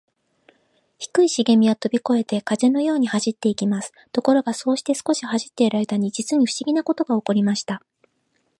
低いしげみはとびこえて、風のように走っていきます。ところが、そうして少し走っているあいだに、じつにふしぎなことがおこりました。